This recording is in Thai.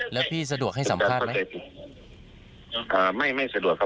แล้วพี่สะดวกให้สัมภาษณ์ไหม